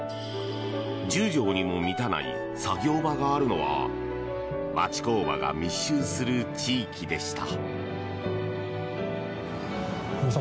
１０畳にも満たない作業場があるのは町工場が密集する地域でした。